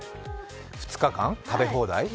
２日間、食べ放題。